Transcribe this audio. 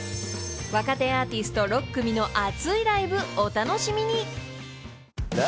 ［若手アーティスト６組の熱いライブお楽しみに］